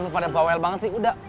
pada bawel banget sih udah